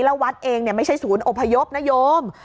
แล้ววัดเองไม่ใช่ศูนย์อพยพนโยม